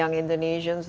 orang indonesia yang muda